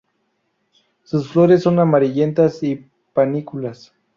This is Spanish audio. Sus flores son amarillentas y panículas.